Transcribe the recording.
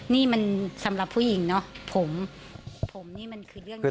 นี่มันสำหรับผู้หญิงเนอะผมผมนี่มันคือเรื่องนี้